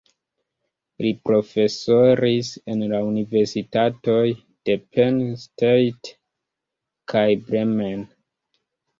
Li profesoris en la universitatoj de Penn State kaj Bremen.